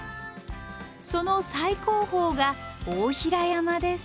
その最高峰が大平山です。